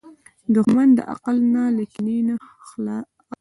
دښمن له عقل نه، له کینې نه کار اخلي